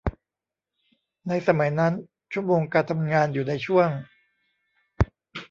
ในสมัยนั้นชั่วโมงการทำงานอยู่ในช่วง